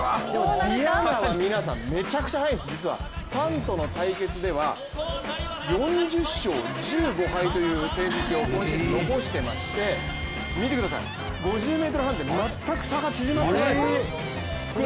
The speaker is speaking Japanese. ｄｉａｎａは皆さん、めちゃくちゃ速いんです実は、ファンとの戦いでは４０勝１５敗という成績を今シーズン残していまして５０ｍハンデ全く差が縮まってないです。